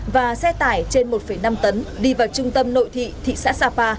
và xe tải trên một năm tấn đi vào trung tâm nội thị thị xã sapa